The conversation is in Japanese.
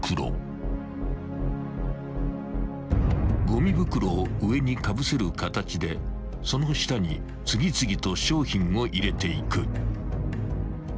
［ゴミ袋を上にかぶせる形でその下に次々と商品を入れていく］